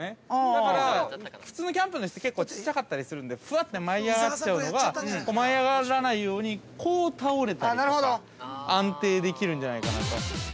だから、普通のキャンプのイスって、結構小さかったりするんで、ふわって舞い上がっちゃうのは舞い上がらないようにこう倒れて、安定できるんじゃないかなと。